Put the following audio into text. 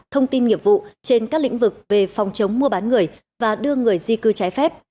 thông tin nghiệp vụ trên các lĩnh vực về phòng chống mua bán người và đưa người di cư trái phép